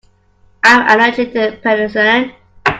I am allergic to penicillin.